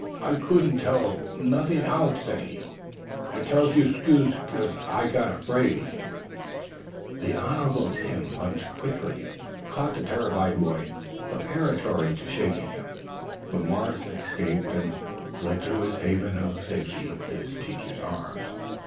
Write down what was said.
"I couldn't to tell nothing out," said he. "I tells you 'scuse. I'm got a fraid." The Honorable Tim lunged quickly and caught the terrified boy preparatory to shaking him, but Morris escaped and fled to his haven of safety his Teacher's arms.